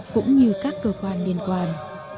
cũng như các cơ quan liên quan